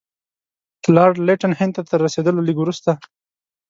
لارډ لیټن هند ته تر رسېدلو لږ وروسته.